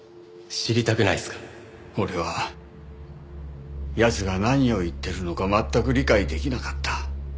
俺は奴が何を言ってるのか全く理解できなかった。